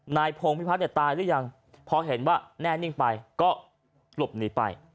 นายพงพิพัฒน์เนี่ยตายหรือยังพอเห็นว่าแน่นิ่งไปก็หลบหนีไป